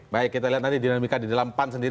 baik kita lihat nanti dinamika di dalam pan sendiri